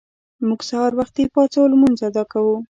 موږ سهار وختي پاڅو او لمونځ ادا کوو